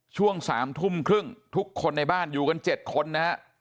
ช่วง๓ทุ่มครึ่งทุกคนในบ้านอยู่กัน๗คนนะฮะ